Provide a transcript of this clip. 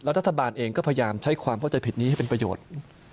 รัฐบาลเองก็พยายามใช้ความเข้าใจผิดนี้ให้เป็นประโยชน์